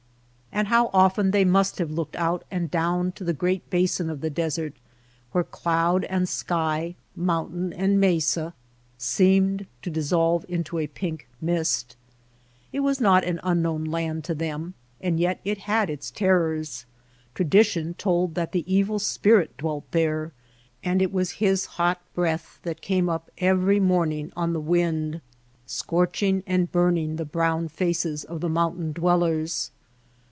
And how often fchey must have looked out and down to the great basin of the desert where cloud and sky, mountain and mesa, seemed to dissolve into a pink mist ! It was not an un THE APPEOACH 16 known land to them and yet it had its terrors. Tradition told that the Evil Spirit dwelt there, and it was his hot breath that came np every morning on the wind, scorching and burning the brown faces of the mountain dwellers